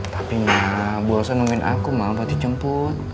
tapi ma bu rosa nungguin aku ma apa dijemput